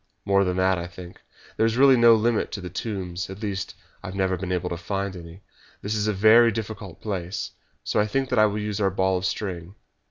"More than that, I think. There is really no limit to the tombs at least, I have never been able to find any. This is a very difficult place, so I think that I will use our ball of string."